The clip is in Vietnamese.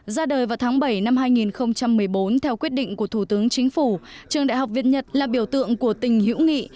ra đời vào tháng bảy năm hai nghìn một mươi bốn theo quyết định của thủ tướng chính phủ trường đại học việt nhật là biểu tượng của tình hữu nghị